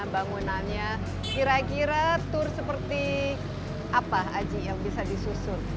bangunannya kira kira tour seperti apa aji yang bisa disusun